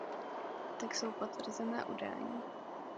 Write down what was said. Tak jsou potvrzena udání.